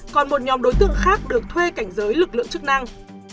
còn một nhóm đối tượng khác được thuê cảnh giới lực lượng chức năng